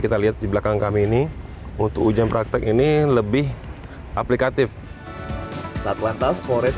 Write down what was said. kita lihat di belakang kami ini untuk ujian praktek ini lebih aplikatif satlantas polres